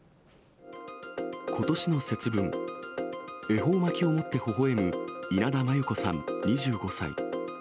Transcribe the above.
ことしの節分、恵方巻を持ってほほえむ稲田真優子さん２５歳。